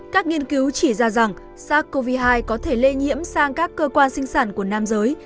các nghiên cứu chỉ ra rằng sars cov hai có thể lây nhiễm sang các cơ quan sinh sản của nam giới